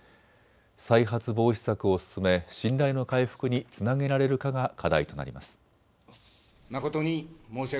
再発防止策を進め、信頼の回復につなげられるかが課題となります。